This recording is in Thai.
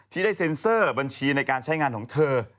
ที่ได้เซ็นเซอร์บัญชีในการใช้งานของเธอ